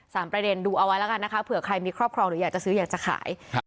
ประเด็นดูเอาไว้แล้วกันนะคะเผื่อใครมีครอบครองหรืออยากจะซื้ออยากจะขายครับ